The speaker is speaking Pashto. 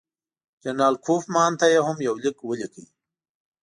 جنرال کوفمان ته یې هم یو لیک ولیکه.